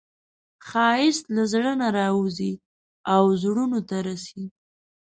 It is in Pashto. ښایست له زړه نه راوځي او زړونو ته رسي